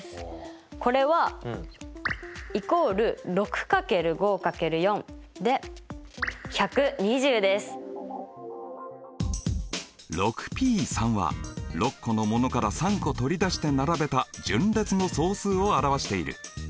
これはＰは６個のものから３個取り出して並べた順列の総数を表している。